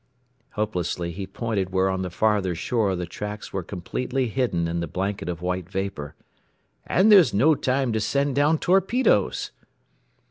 Hopelessly he pointed where on the farther shore the tracks were completely hidden in the blanket of white vapor. "And there's no time to send down torpedoes."